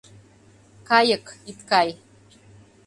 Кайык, ит кай